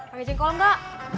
pak ijen kalau enggak